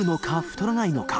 太らないのか？